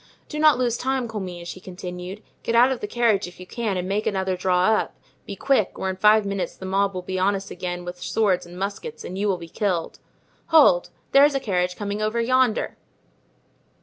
Do not lose time, Comminges," he continued; "get out of the carriage if you can and make another draw up; be quick, or in five minutes the mob will be on us again with swords and muskets and you will be killed. Hold! there's a carriage coming over yonder."